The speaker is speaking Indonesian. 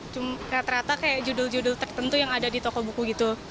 cuma rata rata kayak judul judul tertentu yang ada di toko buku gitu